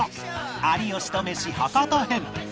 有吉とメシ博多編